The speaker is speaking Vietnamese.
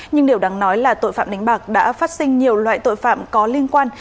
nhưng điều đáng nói là tội phạm đánh bạc đã phát sinh nhiều loại tội phạm có liên quan